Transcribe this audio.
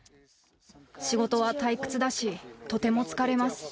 仕事は退屈だし、とても疲れます。